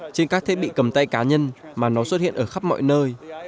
trên các thiết bị cầm tay cá nhân mà nó xuất hiện ở khắp mọi nơi